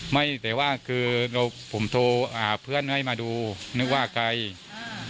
ไม่แต่ว่าคือผมโทรหาเพื่อนให้มาดูนึกว่าใกล้